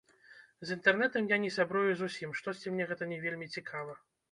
З інтэрнэтам я не сябрую зусім, штосьці мне гэта не вельмі цікава.